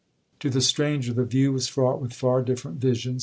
'To the stranger the view was fraught with far different visions.